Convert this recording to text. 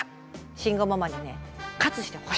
慎吾ママにね喝してほしい！